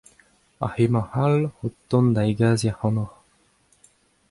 Ha hemañ all o tont da hegaziñ ac'hanoc'h.